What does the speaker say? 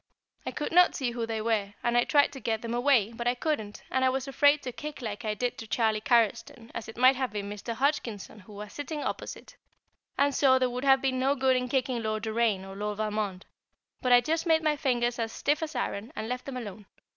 I could not see who they were, and I tried to get them away, but I couldn't, and I was afraid to kick like I did to Charlie Carriston, as it might have been Mr. Hodgkinson who was sitting opposite, and so there would have been no good in kicking Lord Doraine, or Lord Valmond; but I just made my fingers as stiff as iron and left them alone.